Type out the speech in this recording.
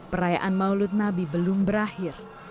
perayaan maulud nabi belum berakhir